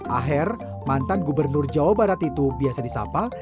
aher mantan gubernur jawa barat itu biasa disapa